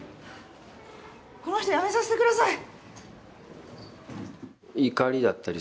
この人、辞めさせてください。